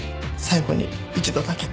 最後に１度だけ。